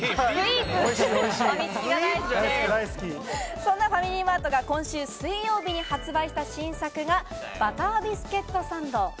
そんなファミリーマートが今週水曜日に発売した新作がバタービッケットサンド。